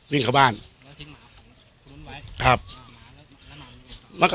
วิ่งเข้าบ้านแล้วทิ้งหมาของคุณนุ่นไว้ครับ